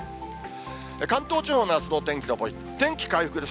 関東地方のあすのお天気のポイント、天気回復です。